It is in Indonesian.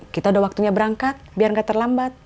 kita udah waktunya berangkat biar gak terlambat